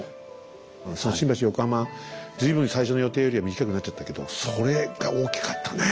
新橋・横浜随分最初の予定よりは短くなっちゃったけどそれが大きかったね。